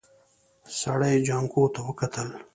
سړي جانکو ته وکتل.